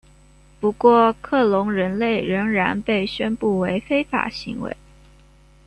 不过克隆人类仍然被宣布为非法行为。